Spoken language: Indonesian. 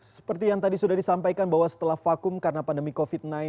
seperti yang tadi sudah disampaikan bahwa setelah vakum karena pandemi covid sembilan belas